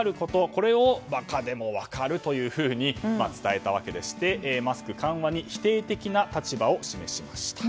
これをバカでも分かるというふうに伝えたわけでしてマスク緩和に否定的な立場を示しました。